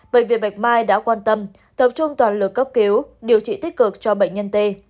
bệnh viện bạch mai đã quan tâm tập trung toàn lực cấp cứu điều trị tích cực cho bệnh nhân t